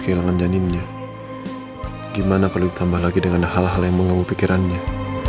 kehilangan janinnya gimana perlu ditambah lagi dengan hal hal yang mengganggu pikirannya